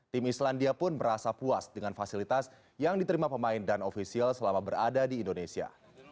tim islandia pun merasa puas dengan fasilitas yang diterima pemain dan ofisial selama berada di indonesia